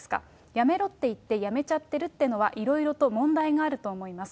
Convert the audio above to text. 辞めろって言って辞めちゃってるっていうのは、いろいろと問題があると思います。